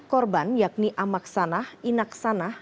korban yakni amak sanah inak sanah